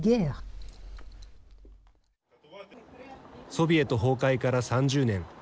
ソビエト崩壊から３０年。